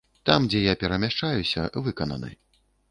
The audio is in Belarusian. Там, дзе я перамяшчаюся, выкананы.